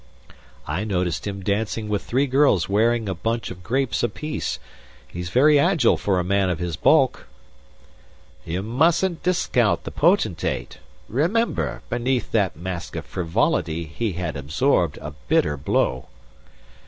"I noticed him dancing with three girls wearing a bunch of grapes apiece. He's very agile for a man of his bulk." "You mustn't discount the Potentate! Remember, beneath that mask of frivolity, he had absorbed a bitter blow."